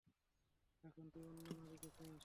এখন তুই অন্য নারীকে চাস?